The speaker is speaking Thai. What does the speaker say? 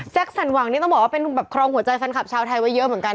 สันหวังนี่ต้องบอกว่าเป็นแบบครองหัวใจแฟนคลับชาวไทยไว้เยอะเหมือนกัน